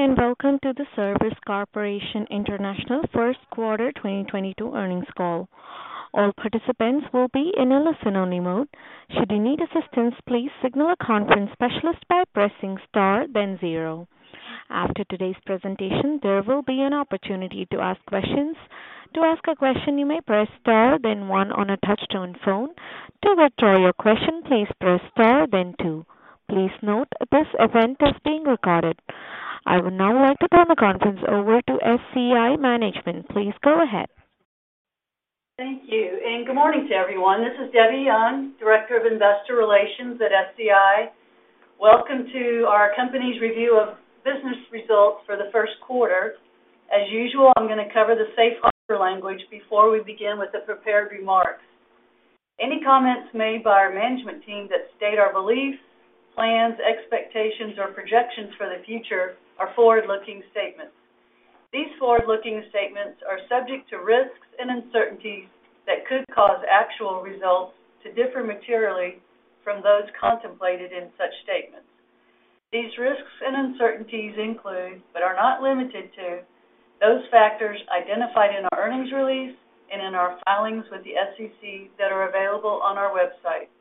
Welcome to the Service Corporation International first quarter 2022 earnings call. All participants will be in a listen-only mode. Should you need assistance, please signal a conference specialist by pressing star then zero. After today's presentation, there will be an opportunity to ask questions. To ask a question, you may press star then one on a touch-tone phone. To withdraw your question, please press star then two. Please note this event is being recorded. I would now like to turn the conference over to SCI management. Please go ahead. Thank you, and good morning to everyone. This is Debbie Young, Director of Investor Relations at SCI. Welcome to our company's review of business results for the first quarter. As usual, I'm gonna cover the safe harbor language before we begin with the prepared remarks. Any comments made by our management team that state our beliefs, plans, expectations, or projections for the future are forward-looking statements. These forward-looking statements are subject to risks and uncertainties that could cause actual results to differ materially from those contemplated in such statements. These risks and uncertainties include, but are not limited to, those factors identified in our earnings release and in our filings with the SEC that are available on our website.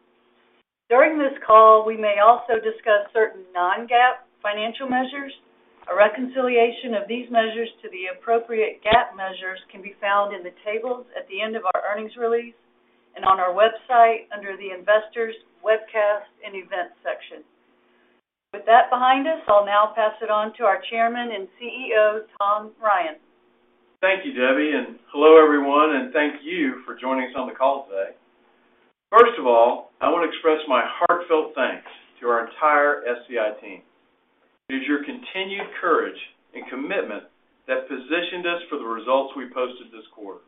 During this call, we may also discuss certain non-GAAP financial measures. A reconciliation of these measures to the appropriate GAAP measures can be found in the tables at the end of our earnings release and on our website under the Investors Webcast and Events section. With that behind us, I'll now pass it on to our chairman and CEO, Tom Ryan. Thank you, Debbie, and hello everyone, and thank you for joining us on the call today. First of all, I wanna express my heartfelt thanks to our entire SCI team. It is your continued courage and commitment that positioned us for the results we posted this quarter.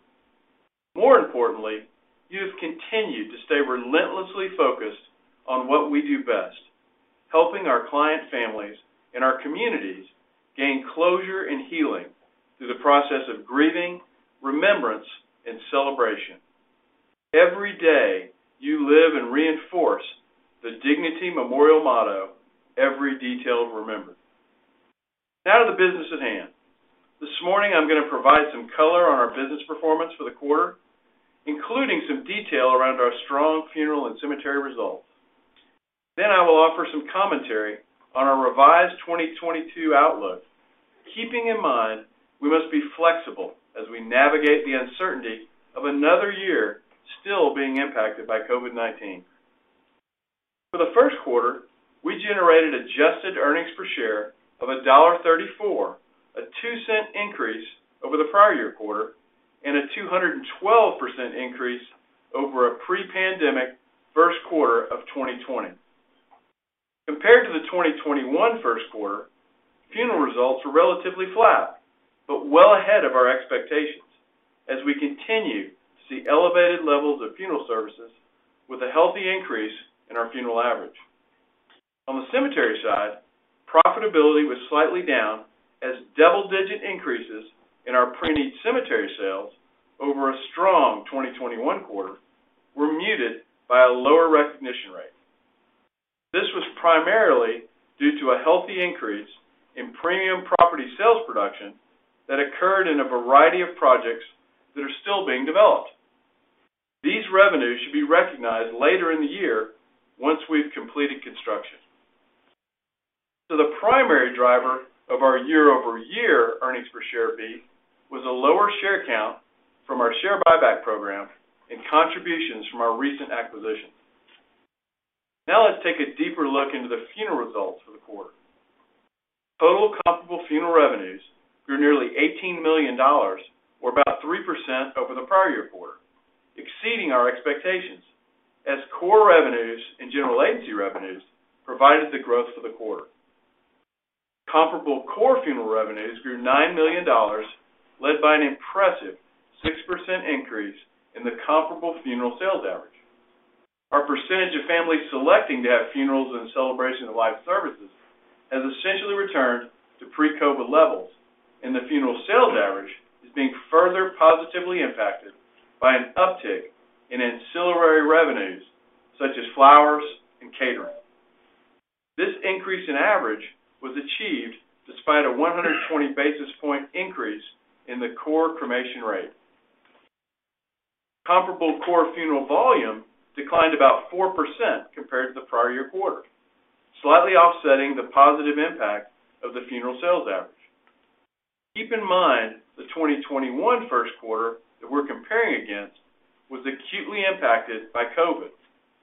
More importantly, you have continued to stay relentlessly focused on what we do best, helping our client families and our communities gain closure and healing through the process of grieving, remembrance, and celebration. Every day, you live and reinforce the Dignity Memorial motto, every detail remembered. Now to the business at hand. This morning I'm gonna provide some color on our business performance for the quarter, including some detail around our strong funeral and cemetery results. Then I will offer some commentary on our revised 2022 outlook. Keeping in mind we must be flexible as we navigate the uncertainty of another year still being impacted by COVID-19. For the first quarter, we generated adjusted earnings per share of $1.34, a $0.02 increase over the prior year quarter and a 212% increase over a pre-pandemic first quarter of 2020. Compared to the 2021 first quarter, funeral results were relatively flat, but well ahead of our expectations as we continue to see elevated levels of funeral services with a healthy increase in our funeral average. On the cemetery side, profitability was slightly down as double-digit increases in our preneed cemetery sales over a strong 2021 quarter were muted by a lower recognition rate. This was primarily due to a healthy increase in premium property sales production that occurred in a variety of projects that are still being developed. These revenues should be recognized later in the year once we've completed construction. The primary driver of our year-over-year earnings per share growth was a lower share count from our share buyback program and contributions from our recent acquisition. Now let's take a deeper look into the funeral results for the quarter. Total comparable funeral revenues grew nearly $18 million or about 3% over the prior year quarter, exceeding our expectations as core revenues and general agency revenues provided the growth for the quarter. Comparable core funeral revenues grew $9 million, led by an impressive 6% increase in the comparable funeral sales average. Our percentage of families selecting to have funerals and celebration of life services has essentially returned to pre-COVID levels, and the funeral sales average is being further positively impacted by an uptick in ancillary revenues such as flowers and catering. This increase in average was achieved despite a 120 basis points increase in the core cremation rate. Comparable core funeral volume declined about 4% compared to the prior year quarter, slightly offsetting the positive impact of the funeral sales average. Keep in mind, the 2021 first quarter that we're comparing against was acutely impacted by COVID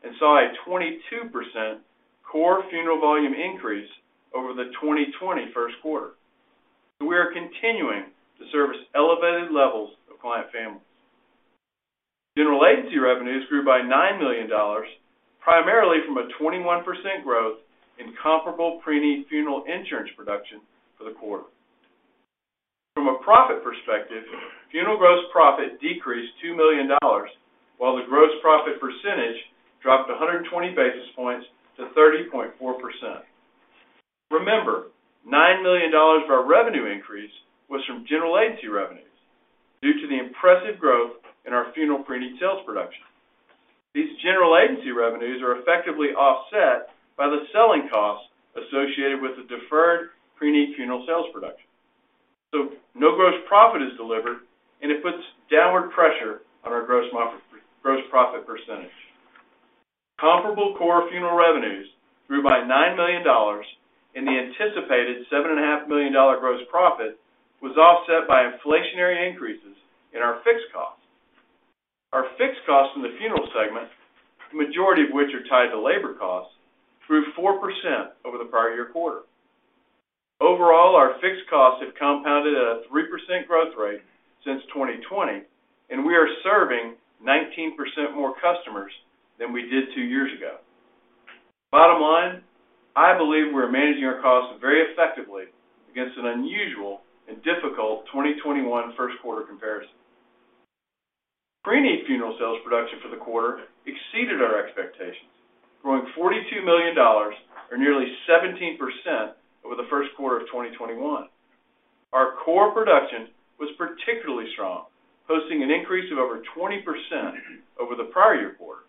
and saw a 22% core funeral volume increase over the 2020 first quarter. We are continuing to service elevated levels of client families. General agency revenues grew by $9 million, primarily from a 21% growth in comparable preneed funeral insurance production for the quarter. From a profit perspective, funeral gross profit decreased $2 million, while the gross profit percentage dropped 120 basis points to 30.4%. Remember, $9 million of our revenue increase was from general agency revenues due to the impressive growth in our funeral pre-need sales production. These general agency revenues are effectively offset by the selling costs associated with the deferred pre-need funeral sales production. No gross profit is delivered, and it puts downward pressure on our gross profit percentage. Comparable core funeral revenues grew by $9 million, and the anticipated $7.5 million gross profit was offset by inflationary increases in our fixed costs. Our fixed costs in the funeral segment, majority of which are tied to labor costs, grew 4% over the prior year quarter. Overall, our fixed costs have compounded at a 3% growth rate since 2020, and we are serving 19% more customers than we did two years ago. Bottom line, I believe we are managing our costs very effectively against an unusual and difficult 2021 first quarter comparison. Preneed funeral sales production for the quarter exceeded our expectations, growing $42 million or nearly 17% over the first quarter of 2021. Our core production was particularly strong, posting an increase of over 20% over the prior year quarter,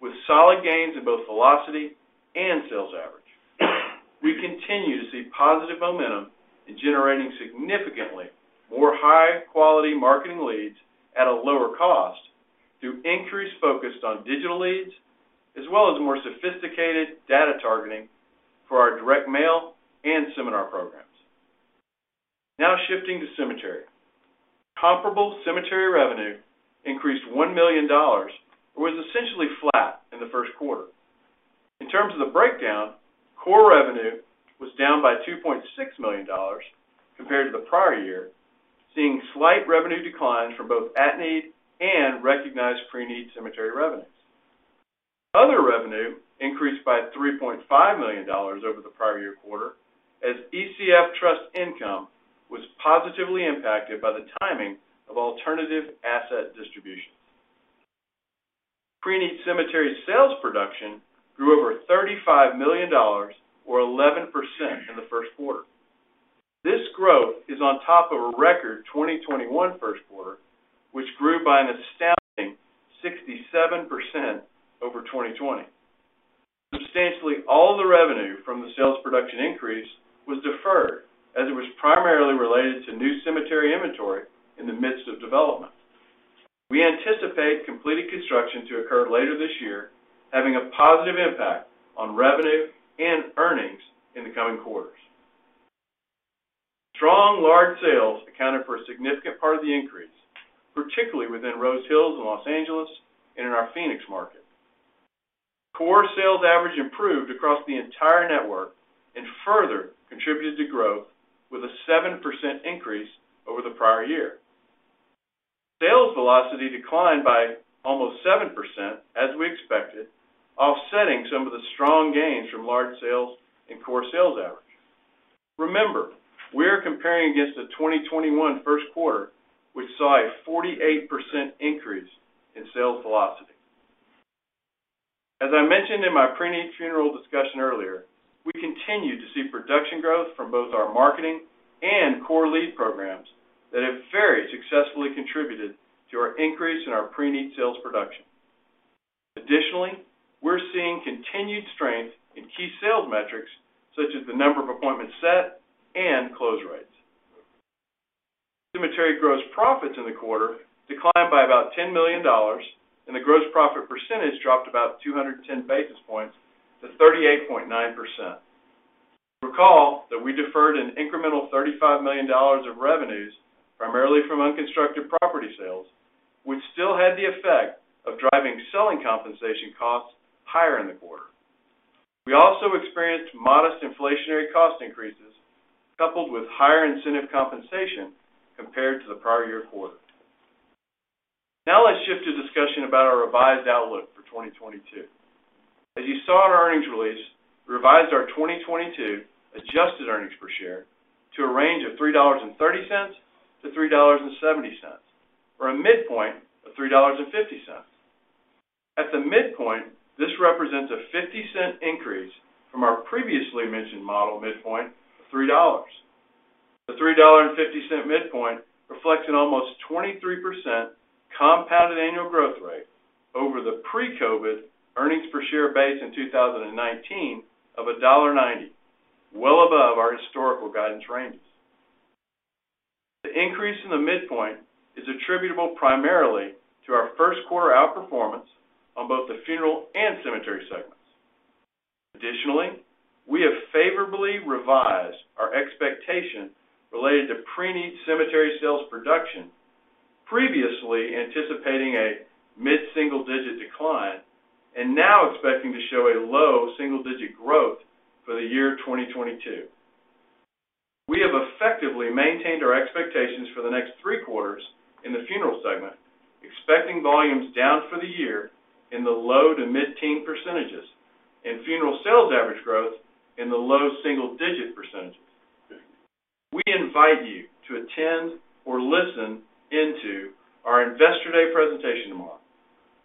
with solid gains in both velocity and sales average. We continue to see positive momentum in generating significantly more high-quality marketing leads at a lower cost through increased focus on digital leads, as well as more sophisticated data targeting for our direct mail and seminar programs. Now shifting to cemetery. Comparable cemetery revenue increased $1 million, or was essentially flat in the first quarter. In terms of the breakdown, core revenue was down by $2.6 million compared to the prior year, seeing slight revenue declines from both at-need and recognized pre-need cemetery revenues. Other revenue increased by $3.5 million over the prior year quarter as ECF trust income was positively impacted by the timing of alternative asset distributions. Pre-need cemetery sales production grew over $35 million or 11% in the first quarter. This growth is on top of a record 2021 first quarter, which grew by an astounding 67% over 2020. Substantially all the revenue from the sales production increase was deferred as it was primarily related to new cemetery inventory in the midst of development. We anticipate completed construction to occur later this year, having a positive impact on revenue and earnings in the coming quarters. Strong large sales accounted for a significant part of the increase, particularly within Rose Hills in Los Angeles and in our Phoenix market. Core sales average improved across the entire network and further contributed to growth with a 7% increase over the prior year. Sales velocity declined by almost 7%, as we expected, offsetting some of the strong gains from large sales and core sales average. Remember, we are comparing against the 2021 first quarter, which saw a 48% increase in sales velocity. As I mentioned in my preneed funeral discussion earlier, we continue to see production growth from both our marketing and core lead programs that have very successfully contributed to our increase in our preneed sales production. Additionally, we're seeing continued strength in key sales metrics, such as the number of appointments set and close rates. Cemetery gross profits in the quarter declined by about $10 million, and the gross profit percentage dropped about 210 basis points to 38.9%. Recall that we deferred an incremental $35 million of revenues, primarily from unconstructive property sales, which still had the effect of driving selling compensation costs higher in the quarter. We also experienced modest inflationary cost increases, coupled with higher incentive compensation compared to the prior year quarter. Now let's shift to discussion about our revised outlook for 2022. As you saw in our earnings release, we revised our 2022 adjusted earnings per share to a range of $3.30-$3.70, or a midpoint of $3.50. At the midpoint, this represents a $0.50 increase from our previously mentioned model midpoint of $3. The $3.50 midpoint reflects an almost 23% compounded annual growth rate over the pre-COVID earnings per share base in 2019 of $1.90, well above our historical guidance ranges. The increase in the midpoint is attributable primarily to our first quarter outperformance on both the funeral and cemetery segments. Additionally, we have favorably revised our expectation related to preneed cemetery sales production, previously anticipating a mid-single-digit decline, and now expecting to show a low single-digit growth for the year 2022. We have effectively maintained our expectations for the next three quarters in the funeral segment, expecting volumes down for the year in the low- to mid-teen percentages and funeral sales average growth in the low single-digit percent. We invite you to attend or listen in to our Investor Day presentation tomorrow.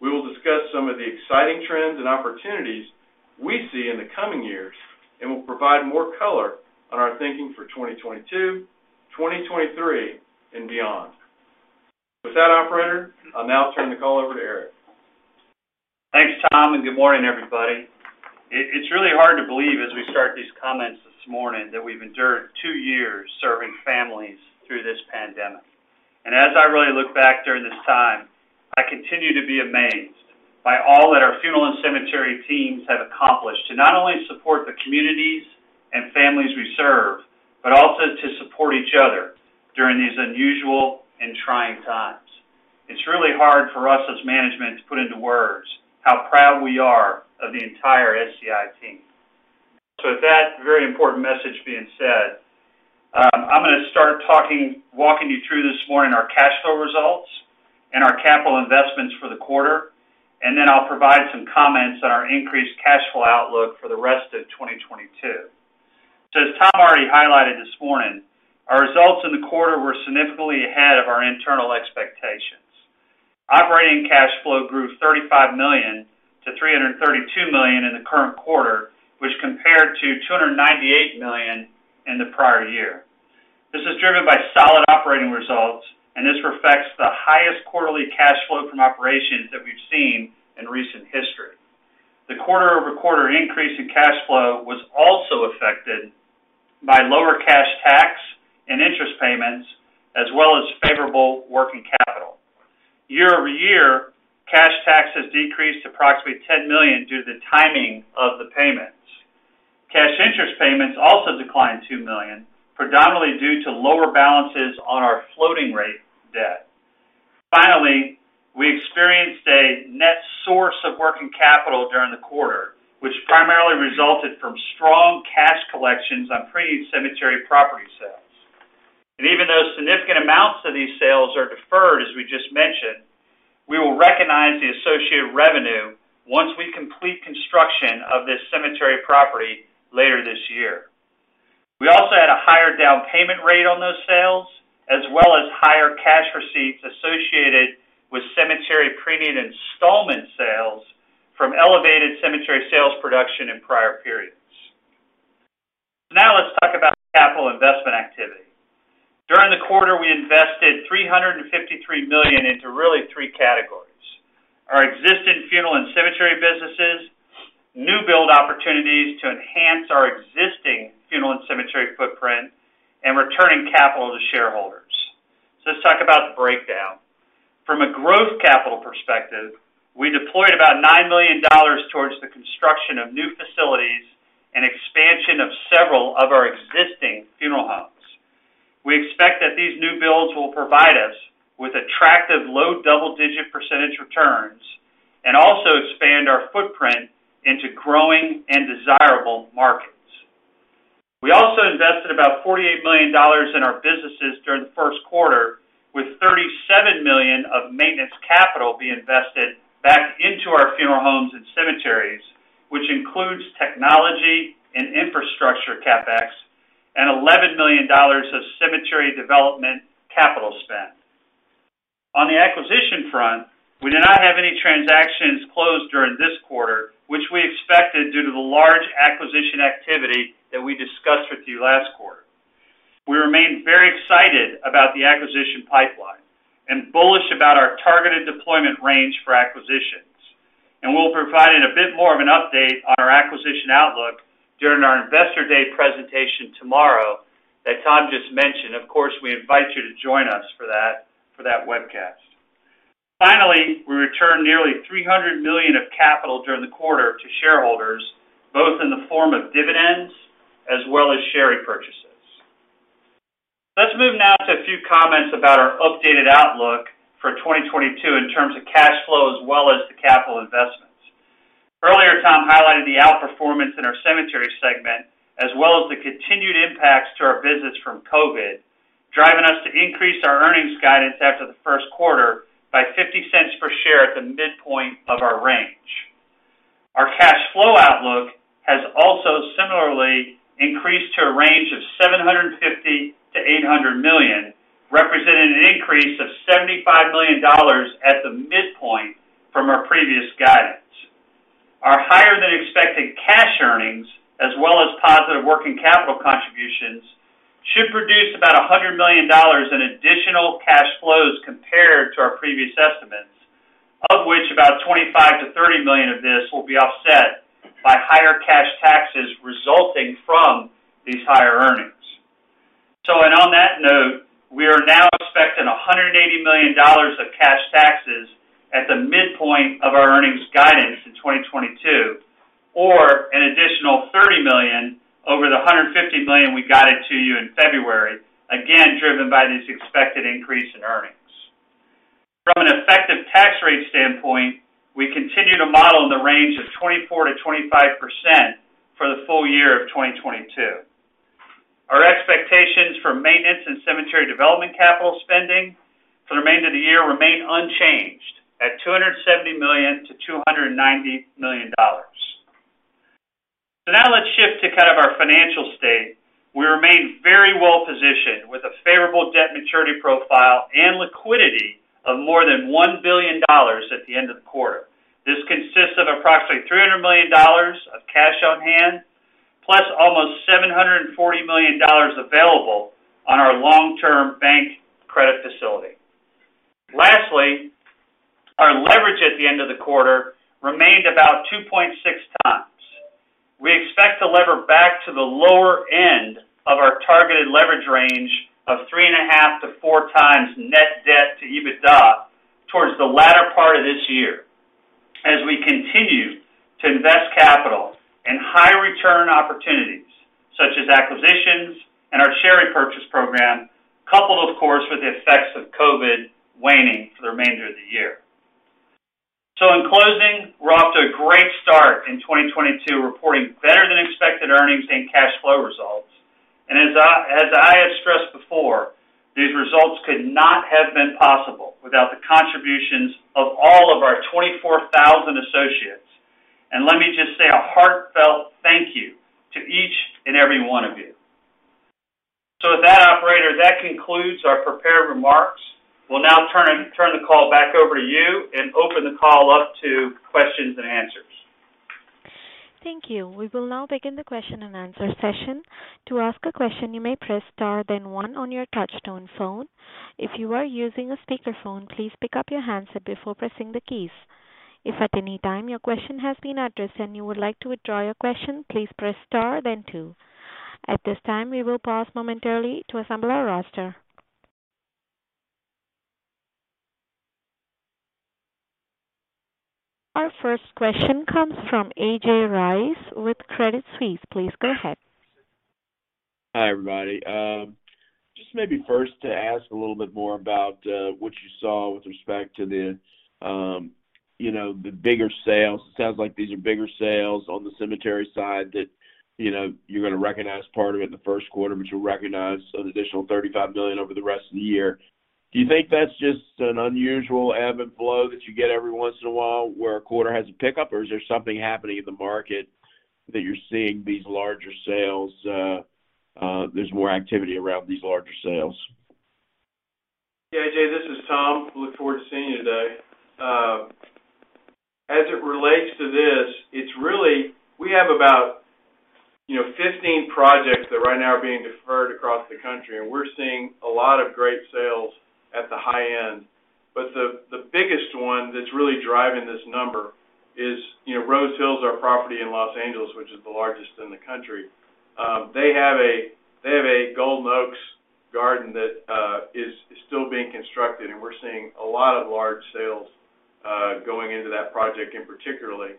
We will discuss some of the exciting trends and opportunities we see in the coming years and will provide more color on our thinking for 2022, 2023 and beyond. With that, operator, I'll now turn the call over to Eric. Thanks, Tom, and good morning, everybody. It's really hard to believe as we start these comments this morning that we've endured two years serving families through this pandemic. As I really look back during this time, I continue to be amazed by all that our funeral and cemetery teams have accomplished to not only support the communities and families we serve, but also to support each other during these unusual and trying times. It's really hard for us as management to put into words how proud we are of the entire SCI team. With that very important message being said, I'm gonna start walking you through this morning our cash flow results and our capital investments for the quarter, and then I'll provide some comments on our increased cash flow outlook for the rest of 2022. As Tom already highlighted this morning, our results in the quarter were significantly ahead of our internal expectations. Operating cash flow grew $35 million to $332 million in the current quarter, which compared to $298 million in the prior year. This is driven by solid operating results, and this reflects the highest quarterly cash flow from operations that we've seen in recent history. The quarter-over-quarter increase in cash flow was also affected by lower cash tax and interest payments as well as favorable working capital. Year-over-year, cash taxes decreased approximately $10 million due to the timing of the payments. Cash interest payments also declined $2 million, predominantly due to lower balances on our floating rate debt. Finally, we experienced a net source of working capital during the quarter, which primarily resulted from strong cash collections on preneed cemetery property sales. Even though significant amounts of these sales are deferred, as we just mentioned, we will recognize the associated revenue once we complete construction of this cemetery property later this year. We also had a higher down payment rate on those sales, as well as higher cash receipts associated with cemetery preneed installment sales from elevated cemetery sales production in prior periods. Now let's talk about capital investment activity. During the quarter, we invested $353 million into really three categories. Our existing funeral and cemetery businesses, new build opportunities to enhance our existing funeral and cemetery footprint, and returning capital to shareholders. Let's talk about the breakdown. From a growth capital perspective, we deployed about $9 million towards the construction of new facilities and expansion of several of our existing funeral homes. We expect that these new builds will provide us with attractive low double-digit percentage returns and also expand our footprint into growing and desirable markets. We also invested about $48 million in our businesses during the first quarter, with $37 million of maintenance capital being invested back into our funeral homes and cemeteries, which includes technology and infrastructure CapEx and $11 million of cemetery development capital spend. On the acquisition front, we did not have any transactions closed during this quarter, which we expected due to the large acquisition activity that we discussed with you last quarter. We remain very excited about the acquisition pipeline and bullish about our targeted deployment range for acquisitions. We'll be providing a bit more of an update on our acquisition outlook during our Investor Day presentation tomorrow that Tom just mentioned. Of course, we invite you to join us for that webcast. Finally, we returned nearly $300 million of capital during the quarter to shareholders, both in the form of dividends as well as share repurchases. Let's move now to a few comments about our updated outlook for 2022 in terms of cash flow as well as the capital investments. Earlier, Tom highlighted the outperformance in our cemetery segment as well as the continued impacts to our business from COVID, driving us to increase our earnings guidance after the first quarter by $0.50 per share at the midpoint of our range. Our cash flow outlook has also similarly increased to a range of $750 million-$800 million, representing an increase of $75 million at the midpoint from our previous guidance. Our higher-than-expected cash earnings, as well as positive working capital contributions, should produce about $100 million in additional cash flows compared to our previous estimates, of which about $25-$30 million of this will be offset by higher cash taxes resulting from these higher earnings. On that note, we are now expecting $180 million of cash taxes at the midpoint of our earnings guidance for 2022 or an additional $30 million over the $150 million we guided to you in February, again, driven by this expected increase in earnings. From an effective tax rate standpoint, we continue to model in the range of 24%-25% for the full year of 2022. Our expectations for maintenance and cemetery development capital spending for the remainder of the year remain unchanged at $270 million-$290 million. We remain very well positioned with a favorable debt maturity profile and liquidity of more than $1 billion at the end of the quarter. This consists of approximately $300 million of cash on hand, plus almost $740 million available on our long-term bank credit facility. Lastly, our leverage at the end of the quarter remained about 2.6x. We expect to lever back to the lower end of our targeted leverage range of 3.5-4x net debt to EBITDA towards the latter part of this year as we continue to invest capital in high return opportunities such as acquisitions and our share repurchase program, coupled of course, with the effects of COVID waning for the remainder of the year. In closing, we're off to a great start in 2022, reporting better than expected earnings and cash flow results. As I have stressed before, these results could not have been possible without the contributions of all of our 24,000 associates. Let me just say a heartfelt thank you to each and every one of you. With that operator, that concludes our prepared remarks. We'll now turn the call back over to you and open the call up to questions and answers. Thank you. We will now begin the question and answer session. To ask a question, you may press star, then one on your touch-tone phone. If you are using a speakerphone, please pick up your handset before pressing the keys. If at any time your question has been addressed and you would like to withdraw your question, please press star then two. At this time, we will pause momentarily to assemble our roster. Our first question comes from A.J. Rice with Credit Suisse. Please go ahead. Hi, everybody. Just maybe first to ask a little bit more about what you saw with respect to the, you know, the bigger sales. It sounds like these are bigger sales on the cemetery side that, you know, you're going to recognize part of it in the first quarter, but you'll recognize an additional $35 million over the rest of the year. Do you think that's just an unusual ebb and flow that you get every once in a while where a quarter has a pickup? Or is there something happening in the market that you're seeing these larger sales, there's more activity around these larger sales? Yeah, A.J., this is Tom. Look forward to seeing you today. As it relates to this, it's really we have about, you know, 15 projects that right now are being deferred across the country, and we're seeing a lot of great sales at the high end, but the biggest one that's really driving this number is, you know, Rose Hills, our property in Los Angeles, which is the largest in the country. They have a Golden Oaks garden that is still being constructed, and we're seeing a lot of large sales going into that project in particular,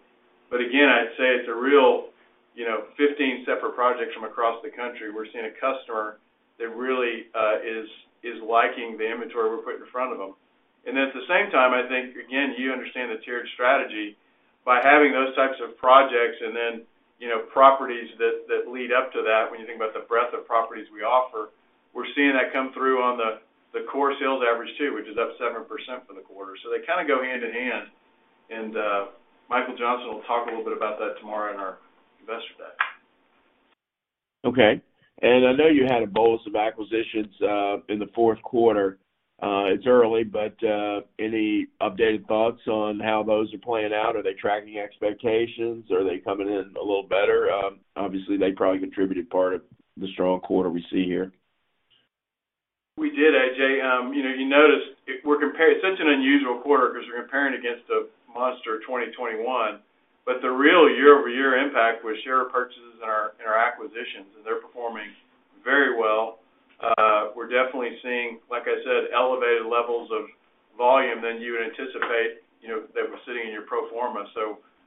but again, I'd say it's a real, you know, 15 separate projects from across the country. We're seeing a customer that really is liking the inventory we're putting in front of them. Then at the same time, I think, again, you understand the tiered strategy by having those types of projects and then, you know, properties that lead up to that when you think about the breadth of properties we offer, we're seeing that come through on the core sales average too, which is up 7% for the quarter. They kind of go hand in hand. Michael Johnson will talk a little bit about that tomorrow in our Investor Day. Okay. I know you had a bolus of acquisitions in the fourth quarter. It's early, but any updated thoughts on how those are playing out? Are they tracking expectations? Are they coming in a little better? Obviously they probably contributed part of the strong quarter we see here. We did, A.J. You know, you notice if we're comparing such an unusual quarter 'cause we're comparing against a monster 2021. The real year-over-year impact was share purchases in our acquisitions, and they're performing very well. We're definitely seeing, like I said, elevated levels of volume than you would anticipate, you know, that were sitting in your pro forma.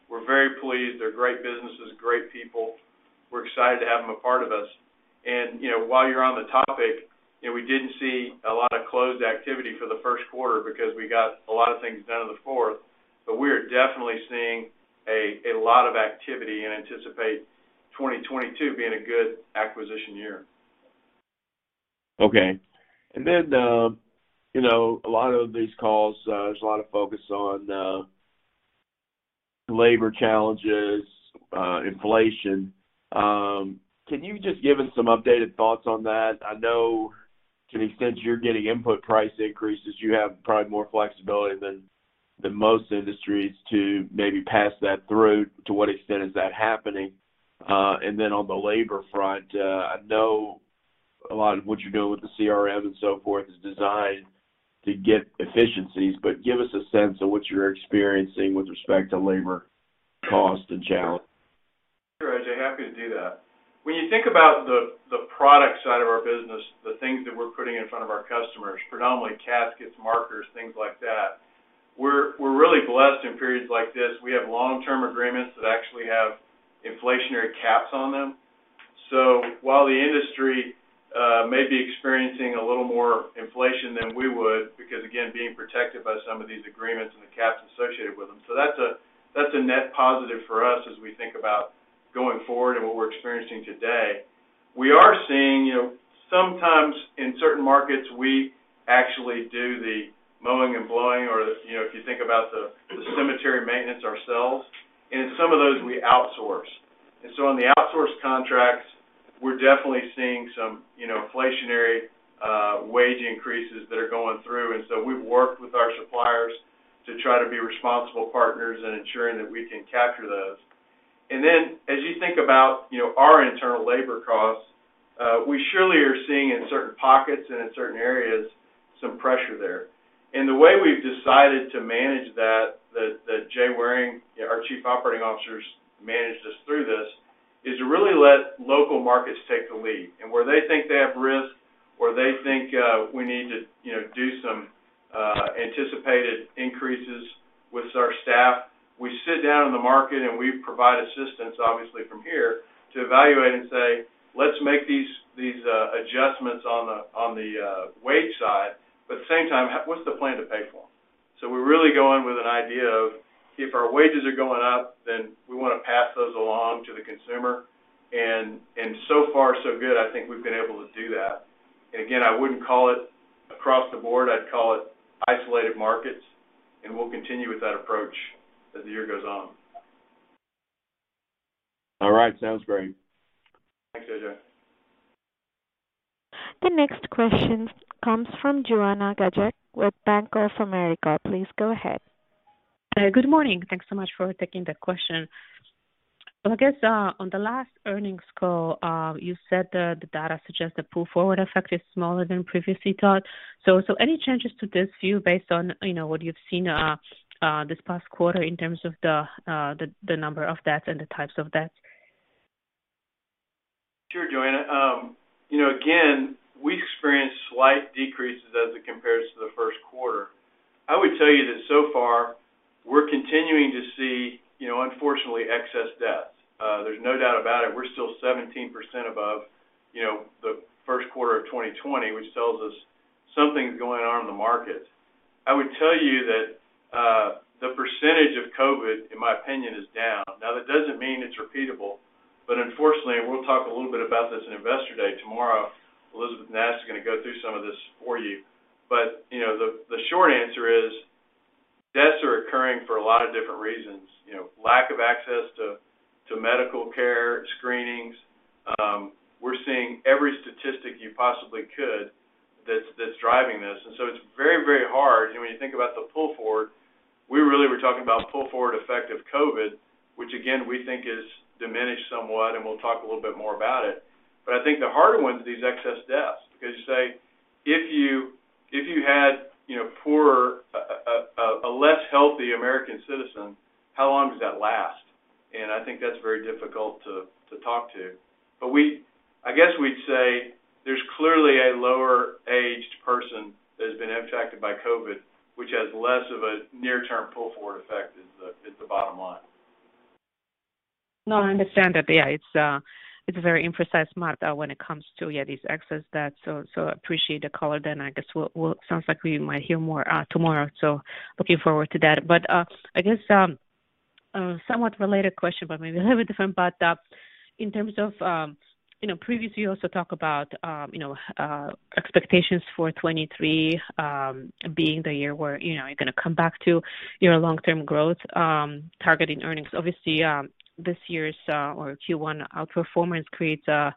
We're very pleased. They're great businesses, great people. We're excited to have them a part of us. You know, while you're on the topic, you know, we didn't see a lot of closed activity for the first quarter because we got a lot of things done in the fourth. We are definitely seeing a lot of activity and anticipate 2022 being a good acquisition year. Okay. You know, a lot of these calls, there's a lot of focus on labor challenges, inflation. Can you just give us some updated thoughts on that? I know to the extent you're getting input price increases, you have probably more flexibility than most industries to maybe pass that through. To what extent is that happening? On the labor front, I know a lot of what you're doing with the CRM and so forth is designed to get efficiencies, but give us a sense of what you're experiencing with respect to labor cost and challenge. Sure, A.J. Happy to do that. When you think about the product side of our business, the things that we're putting in front of our customers, predominantly caskets, markers, things like that, we're really blessed in periods like this. We have long-term agreements that actually have inflationary caps on them. So while the industry may be experiencing a little more inflation than we would, because again, being protected by some of these agreements and the caps associated with them. That's a net positive for us as we think about going forward and what we're experiencing today. We are seeing sometimes in certain markets, we actually do the mowing and blowing, if you think about the cemetery maintenance ourselves. In some of those we outsource. On the outsource contracts, we're definitely seeing some, you know, inflationary wage increases that are going through. We've worked with our suppliers to try to be responsible partners in ensuring that we can capture those. As you think about, you know, our internal labor costs, we surely are seeing in certain pockets and in certain areas some pressure there. The way we've decided to manage that Jay Waring, our Chief Operating Officer, manages this through this is to really let local markets take the lead. Where they think they have risk or they think, you know, we need to do some anticipated increases with our staff, we sit down in the market, and we provide assistance, obviously from here, to evaluate and say, "Let's make these adjustments on the wage side, but at the same time, what's the plan to pay for them?". So we really go in with an idea of if our wages are going up, then we wanna pass those along to the consumer. So far, so good, I think we've been able to do that. Again, I wouldn't call it across the board. I'd call it isolated markets, and we'll continue with that approach as the year goes on. All right. Sounds great. Thanks, A.J. The next question comes from Joanna Gajuk with Bank of America. Please go ahead. Good morning. Thanks so much for taking the question. Well, I guess, on the last earnings call, you said that the data suggests the pull forward effect is smaller than previously thought. Any changes to this view based on, you know, what you've seen, this past quarter in terms of the number of deaths and the types of deaths? Sure, Joanna. You know, again, we experienced slight decreases as it compares to the first quarter. I would tell you that so far we're continuing to see, you know, unfortunately, excess deaths. There's no doubt about it. We're still 17% above, you know, the first quarter of 2020, which tells us something's going on in the market. I would tell you that the percentage of COVID, in my opinion, is down. Now, that doesn't mean it's repeatable, but unfortunately, and we'll talk a little bit about this in Investor Day tomorrow. Elisabeth Nash is gonna go through some of this for you. You know, the short answer is deaths are occurring for a lot of different reasons. You know, lack of access to medical care, screenings. We're seeing every statistic you possibly could that's driving this. It's very, very hard. You know, when you think about the pull forward, we really were talking about pull forward effect of COVID, which again, we think is diminished somewhat, and we'll talk a little bit more about it. I think the harder one is these excess deaths, because you say if you had, you know, less healthy American citizen, how long does that last? I think that's very difficult to talk to. We, I guess we'd say there's clearly a lower-aged person that has been impacted by COVID, which has less of a near-term pull forward effect is the bottom line. No, I understand that. Yeah, it's a very imprecise model when it comes to, yeah, these excess deaths. Appreciate the color then. I guess sounds like we might hear more, tomorrow, so looking forward to that. I guess, somewhat related question, but maybe a little bit different. In terms of, you know, previously you also talk about, you know, expectations for 2023, being the year where, you know, you're gonna come back to your long term growth, targeting earnings. Obviously, this year's or Q1 outperformance creates a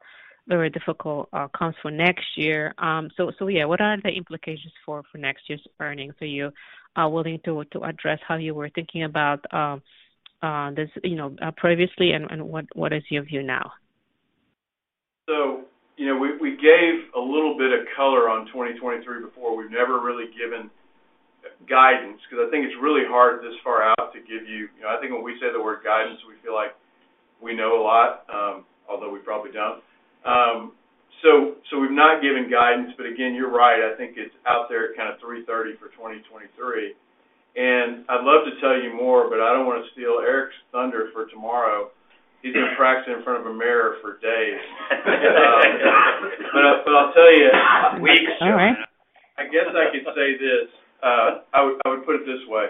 very difficult, comps for next year. Yeah, what are the implications for next year's earnings? Are you willing to address how you were thinking about this, you know, previously and what is your view now? You know, we gave a little bit of color on 2023 before. We've never really given guidance because I think it's really hard this far out to give you. You know, I think when we say the word guidance, we feel like we know a lot, although we probably don't. We've not given guidance, but again, you're right. I think it's out there at kind of $3.30 for 2023. I'd love to tell you more, but I don't wanna steal Eric's thunder for tomorrow. He's been practicing in front of a mirror for days. I'll tell you, weeks. Alright. I guess I could say this. I would put it this way.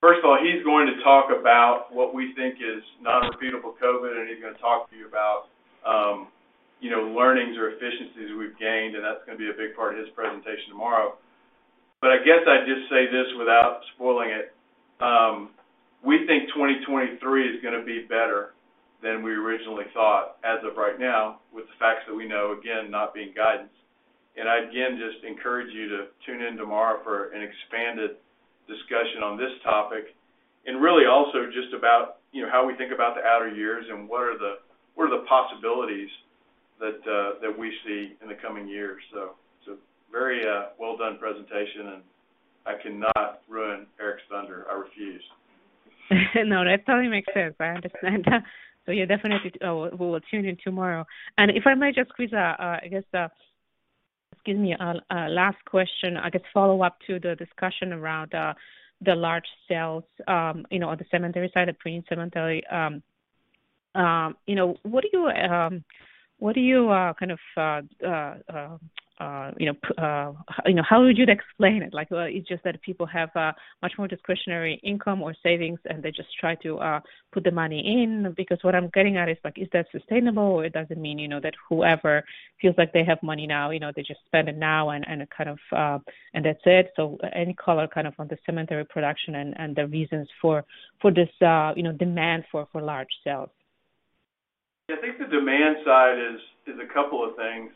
First of all, he's going to talk about what we think is non-repeatable COVID, and he's gonna talk to you about, you know, learnings or efficiencies we've gained, and that's gonna be a big part of his presentation tomorrow. I guess I'd just say this without spoiling it. We think 2023 is gonna be better than we originally thought as of right now with the facts that we know, again, not being guidance. I again, just encourage you to tune in tomorrow for an expanded discussion on this topic and really also just about, you know, how we think about the outer years and what are the possibilities that we see in the coming years. It's a very well done presentation and I cannot ruin Eric's thunder. I refuse. No, that totally makes sense. I understand. Yeah, definitely we'll tune in tomorrow. If I might just squeeze a last question, I guess, excuse me, follow-up to the discussion around the large sales, you know, on the cemetery side, the preneed cemetery. You know, what do you kind of, you know, how would you explain it? Like, it's just that people have much more discretionary income or savings, and they just try to put the money in. Because what I'm getting at is like, is that sustainable or it doesn't mean, you know, that whoever feels like they have money now, you know, they just spend it now and it kind of and that's it. Any color kind of on the cemetery production and the reasons for this, you know, demand for large sales. I think the demand side is a couple of things.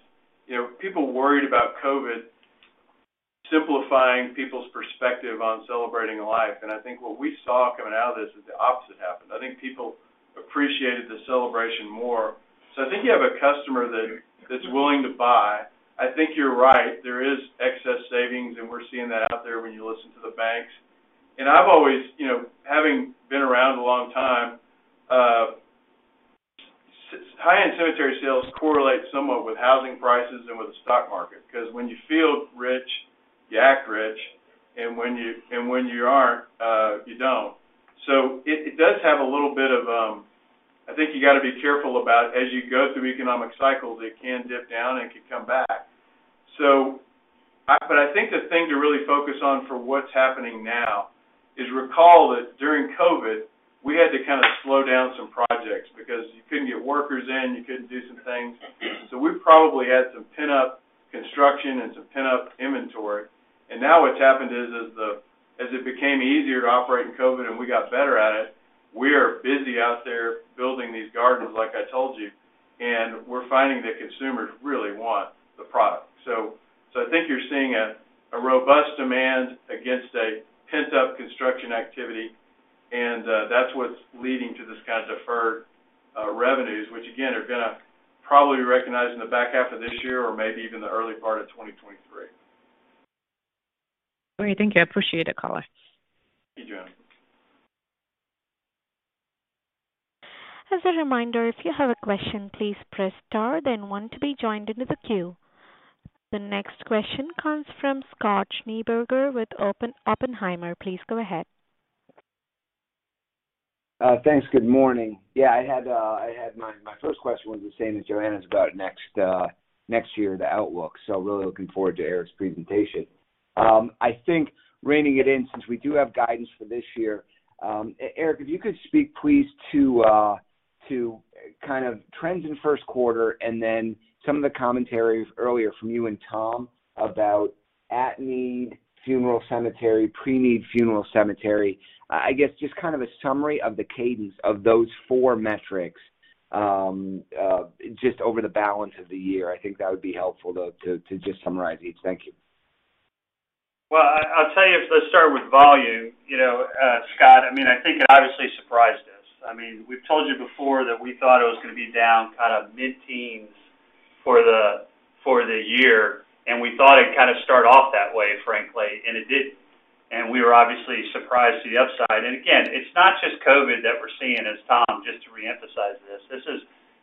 You know, people worried about COVID simplifying people's perspective on celebrating life. I think what we saw coming out of this is the opposite happened. I think people appreciated the celebration more. I think you have a customer that's willing to buy. I think you're right. There is excess savings, and we're seeing that out there when you listen to the banks. I've always, you know, having been around a long time, high-end cemetery sales correlate somewhat with housing prices and with the stock market, 'cause when you feel rich, you act rich, and when you aren't, you don't. It does have a little bit of. I think you gotta be careful about as you go through economic cycles, it can dip down and it can come back. I think the thing to really focus on for what's happening now is recall that during COVID, we had to kind of slow down some projects because you couldn't get workers in, you couldn't do some things. We probably had some pent-up construction and some pent-up inventory. Now what's happened is as it became easier to operate in COVID and we got better at it, we are busy out there building these gardens, like I told you, and we're finding that consumers really want the product. I think you're seeing a robust demand against a pent-up construction activity, and that's what's leading to this kind of deferred revenues, which again, are gonna probably be recognized in the back half of this year or maybe even the early part of 2023. Great. Thank you. I appreciate the call. Thank you. As a reminder, if you have a question, please press star then one to be joined into the queue. The next question comes from Scott Schneeberger with Oppenheimer. Please go ahead. Thanks. Good morning. I had my first question was the same as Joanna's about next year, the outlook. Really looking forward to Eric's presentation. I think reining it in, since we do have guidance for this year, Eric, if you could speak please to kind of trends in first quarter and then some of the commentaries earlier from you and Tom about at-need funeral, cemetery, preneed funeral, cemetery. I guess just kind of a summary of the cadence of those four metrics, just over the balance of the year. I think that would be helpful to just summarize each. Thank you. Well, I'll tell you, let's start with volume. You know, Scott, I mean, I think it obviously surprised us. I mean, we've told you before that we thought it was gonna be down kind of mid-teens for the year, and we thought it kind of start off that way, frankly, and it didn't. We were obviously surprised to the upside. Again, it's not just COVID that we're seeing as Tom, just to reemphasize this. This is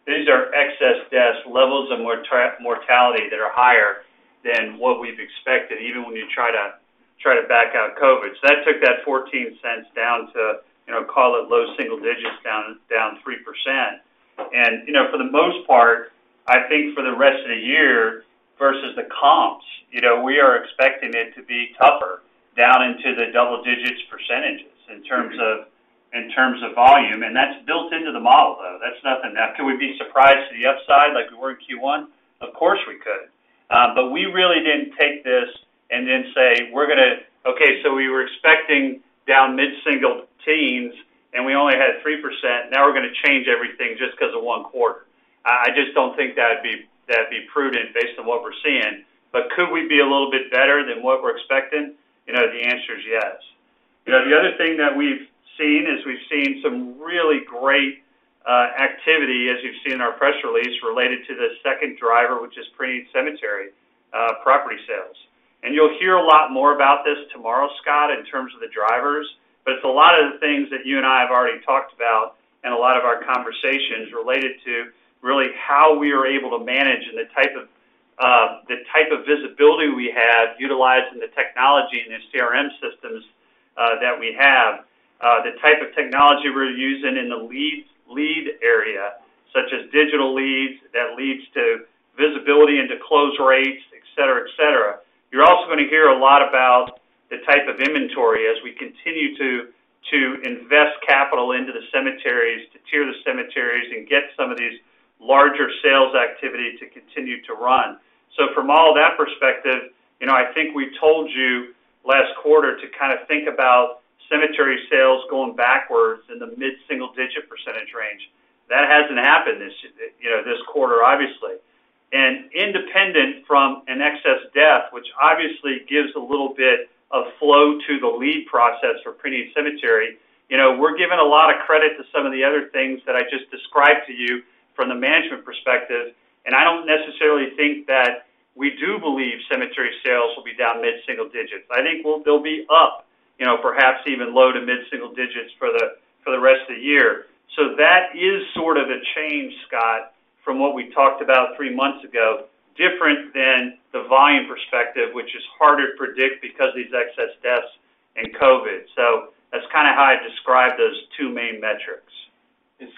these are excess deaths, levels of mortality that are higher than what we've expected, even when you try to back out COVID. So that took that $0.14 down to, you know, call it low single digits, down 3%. You know, for the most part, I think for the rest of the year versus the comps, you know, we are expecting it to be tougher down into the double-digit percentages in terms of volume. That's built into the model, though. That's nothing. Now, could we be surprised to the upside like we were in Q1? Of course, we could, but we really didn't take this and then say, okay, so we were expecting down mid-single teens, and we only had 3%. Now we're gonna change everything just 'cause of one quarter. I just don't think that'd be prudent based on what we're seeing. Could we be a little bit better than what we're expecting? You know, the answer is yes. You know, the other thing that we've seen is we've seen some really great activity, as you've seen in our press release, related to the second driver, which is preneed cemetery property sales. You'll hear a lot more about this tomorrow, Scott, in terms of the drivers. It's a lot of the things that you and I have already talked about in a lot of our conversations related to really how we are able to manage and the type of visibility we have utilizing the technology and the CRM systems that we have. The type of technology we're using in the lead area, such as digital leads that leads to visibility into close rates, et cetera, et cetera. You're also going to hear a lot about the type of inventory as we continue to invest capital into the cemeteries, to tier the cemeteries and get some of these larger sales activity to continue to run. From all that perspective, you know, I think we told you last quarter to kind of think about cemetery sales going backwards in the mid-single digit percentage range. That hasn't happened this, you know, this quarter, obviously. Independent from an excess death, which obviously gives a little bit of flow to the lead process for preneed cemetery, you know, we're giving a lot of credit to some of the other things that I just described to you from the management perspective. I don't necessarily think that we do believe cemetery sales will be down mid-single digits. I think they'll be up, you know, perhaps even low to mid-single digits for the rest of the year. That is sort of a change, Scott, from what we talked about three months ago, different than the volume perspective, which is harder to predict because these excess deaths and COVID. That's kind of how I describe those two main metrics.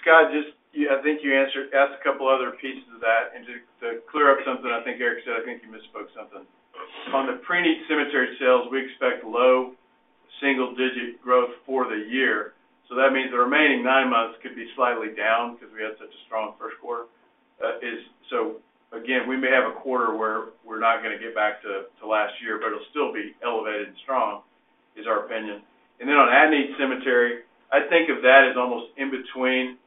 Scott, just, yeah, I think you asked a couple other pieces of that. To clear up something I think Eric said, I think you misspoke something. On the preneed cemetery sales, we expect low single-digit growth for the year. That means the remaining nine months could be slightly down because we had such a strong first quarter. Again, we may have a quarter where we're not gonna get back to last year, but it'll still be elevated and strong, is our opinion. On at-need cemetery, I think of that as almost in between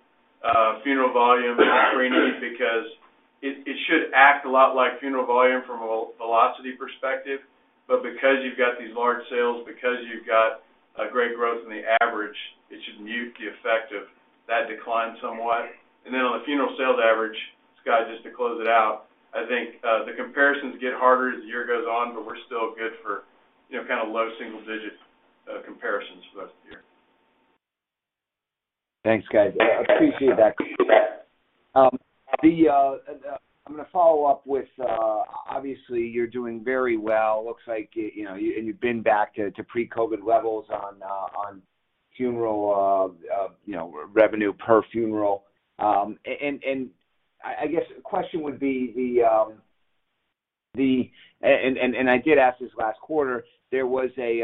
funeral volume and pre-need because it should act a lot like funeral volume from a velocity perspective. Because you've got these large sales, because you've got a great growth in the average, it should mute the effect of that decline somewhat. On the funeral sales average, Scott, just to close it out, I think the comparisons get harder as the year goes on, but we're still good for, you know, kinda low single digit comparisons for the rest of the year. Thanks, guys. I appreciate that. I'm gonna follow up with, obviously, you're doing very well. Looks like, you know, and you've been back to pre-COVID levels on funeral, you know, revenue per funeral. I guess the question would be, and I did ask this last quarter, there was a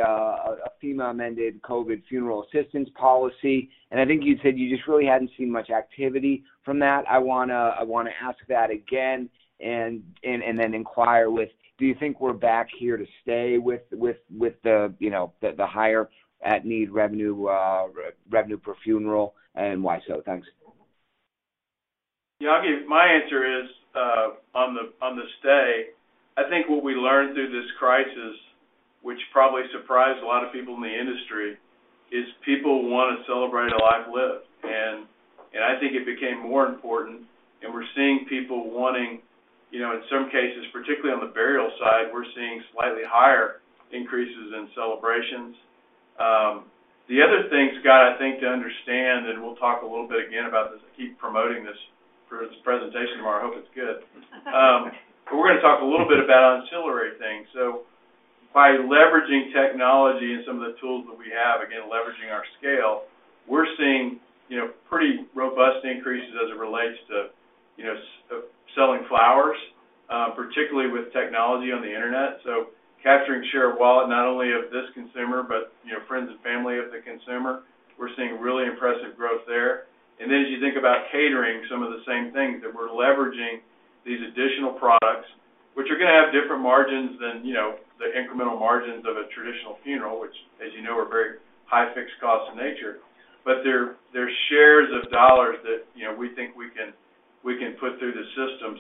FEMA amended COVID funeral assistance policy, and I think you said you just really hadn't seen much activity from that. I wanna ask that again and then inquire with, do you think we're back here to stay with the, you know, the higher at-need revenue per funeral, and why so? Thanks. My answer is on the stay. I think what we learned through this crisis, which probably surprised a lot of people in the industry, is people wanna celebrate a life lived. I think it became more important, and we're seeing people wanting, you know, in some cases, particularly on the burial side, we're seeing slightly higher increases in celebrations. The other thing, Scott, I think to understand, and we'll talk a little bit again about this. I keep promoting this for this presentation tomorrow, I hope it's good. We're gonna talk a little bit about ancillary things. By leveraging technology and some of the tools that we have, again, leveraging our scale, we're seeing, you know, pretty robust increases as it relates to, you know, selling flowers, particularly with technology on the Internet. Capturing share of wallet not only of this consumer, but you know, friends and family of the consumer. We're seeing really impressive growth there. As you think about catering, some of the same things that we're leveraging these additional products, which are gonna have different margins than, you know, the incremental margins of a traditional funeral, which, as you know, are very high fixed costs in nature. They're shares of dollars that, you know, we think we can put through the system.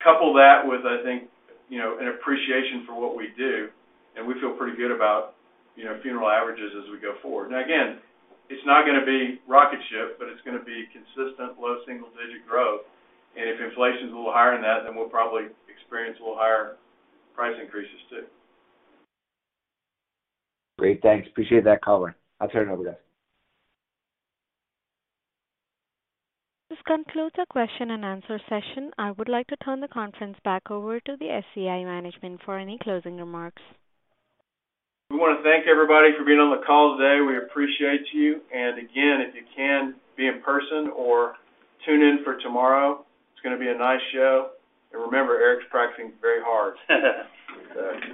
Couple that with, I think, you know, an appreciation for what we do, and we feel pretty good about, you know, funeral averages as we go forward. Now, again, it's not gonna be rocket ship, but it's gonna be consistent low single digit growth. If inflation's a little higher than that, then we'll probably experience a little higher price increases too. Great. Thanks. Appreciate that color. I'll turn it over, guys. This concludes our question and answer session. I would like to turn the conference back over to the SCI management for any closing remarks. We wanna thank everybody for being on the call today. We appreciate you. Again, if you can be in person or tune in for tomorrow, it's gonna be a nice show. Remember, Eric's practicing very hard.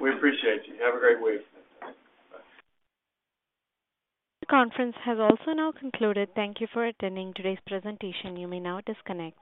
We appreciate you. Have a great week. Bye. The conference has also now concluded. Thank you for attending today's presentation. You may now disconnect.